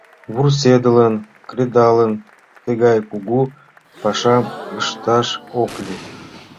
Вурседылын, кредалын, тыгай кугу пашам ышташ ок лий.